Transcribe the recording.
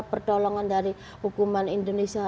pertolongan dari hukuman indonesia